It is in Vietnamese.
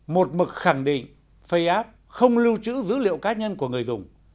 một mực khẳng định faceap không lưu trữ dữ liệu cá nhân của người dùng